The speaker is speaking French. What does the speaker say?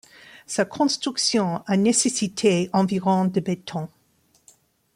Sa construction a nécessité environ de béton.